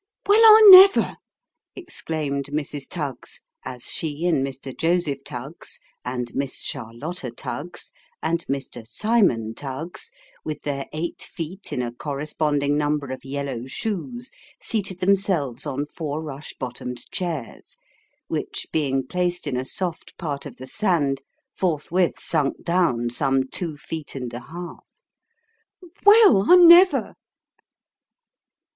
" Well, I never !" exclaimed Mrs. Tuggs, as she and Mr. Joseph Tnggs, and Miss Charlotta Tuggs, and Mr. Cymon Tuggs, with their eight feet in a corresponding number of yellow shoes, seated them selves on four rush bottomed chairs, which, being placed in a soft part of the sand, forthwith sunk down some two feet and a half " Well, I never